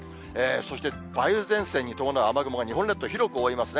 そして梅雨前線に伴う雨雲が、日本列島、広く覆いますね。